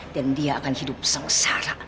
dan dia akan hidup sengsara